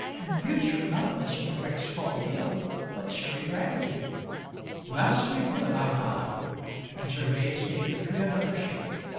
In future, none of us will drink strong ale, But cherry brandy." "Vastly good, I vow," And Gervase gave the tree another shake.